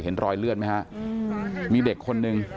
เห็นรอยเลือดไหมฮะมีเด็กคนนึง